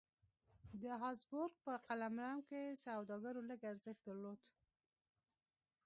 د هابسبورګ په قلمرو کې سوداګرو لږ ارزښت درلود.